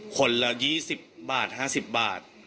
คนละ๒๐บาท๕๐บาท